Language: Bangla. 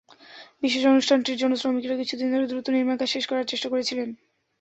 বিশেষ অনুষ্ঠানটির জন্য শ্রমিকেরা কিছুদিন ধরে দ্রুত নির্মাণকাজ শেষ করার চেষ্টা করছিলেন।